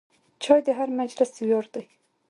چای د هر مجلس ویاړ دی.